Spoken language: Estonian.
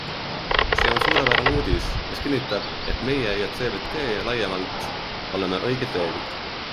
See on suurepärane uudis, mis kinnitab, et meie ja CVT laiemalt oleme õigel teel.